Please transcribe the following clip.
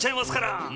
うん！